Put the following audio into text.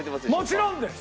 もちろんです。